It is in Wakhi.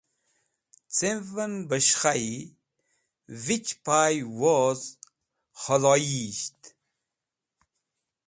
Cẽmvẽn beshkhayi vichpay, woz Khedhoyiyisht.